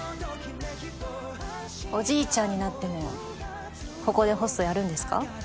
おじいちゃんになってもここでホストやるんですか？